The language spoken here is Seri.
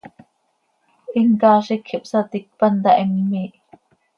Him caazi quij ihpsaticpan taa, him miih.